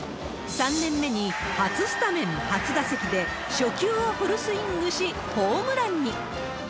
３年目に初スタメン初打席で初球をフルスイングし、ホームランに。